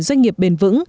doanh nghiệp bền vững